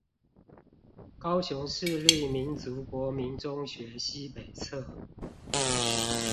高雄市立民族國民中學西北側